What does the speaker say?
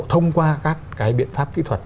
thông qua các cái biện pháp kỹ thuật